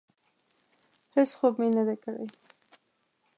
هېڅ خوب مې نه دی کړی.